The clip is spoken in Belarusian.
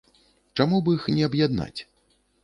Чаму б іх не аб'яднаць?